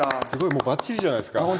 すごいもうバッチリじゃないですか。